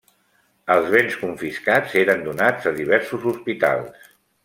Els béns confiscats eren donats a diversos hospitals.